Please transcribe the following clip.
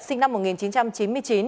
sinh năm một nghìn chín trăm chín mươi chín